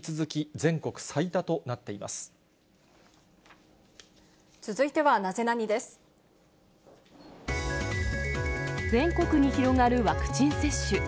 全国に広がるワクチン接種。